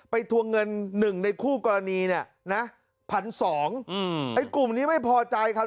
ไปทวงเงิน๑ในคู่กรณีเนี่ยนะผัน๒ไอ้กลุ่มนี้ไม่พอใจครับ